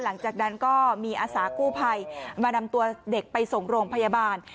หลังจากนั้นก็มีอาสากู้ภัยมานำตัวเด็กไปส่งโรงพยาบาล